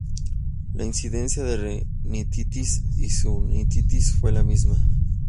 La incidencia de rinitis y sinusitis fue la misma.